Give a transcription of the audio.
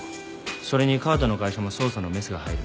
それに河田の会社も捜査のメスが入る。